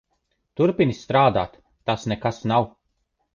Turpini strādāt. Tas nekas nav.